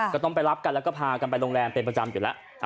ก็ต้องไปรับกันแล้วก็พากันไปโรงแรมเป็นประจำอยู่แล้ว